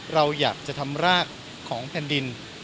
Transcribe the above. เราอยากจะทำรากของแผ่นดิน